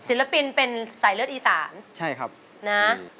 ศิลปินเป็นใส่เลิศอีสานนะพี่อ้อฮืม